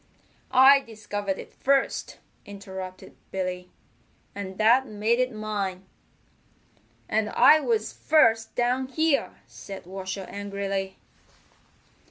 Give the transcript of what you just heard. "I discovered it first," interrupted Billy, "and that made it mine." "And I was first down here," said Washer angrily.